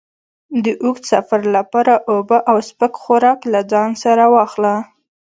د اوږد سفر لپاره اوبه او سپک خوراک له ځان سره واخله.